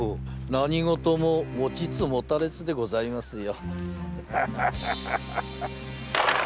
何事も持ちつ持たれつでございますよ。